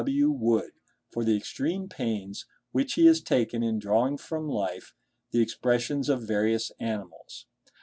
W. Wood for the extreme pains which he has taken in drawing from life the expressions of various animals.